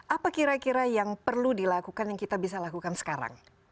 apa kira kira yang perlu dilakukan yang kita bisa lakukan sekarang